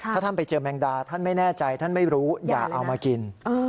ถ้าท่านไปเจอแมงดาท่านไม่แน่ใจท่านไม่รู้อย่าเอามากิน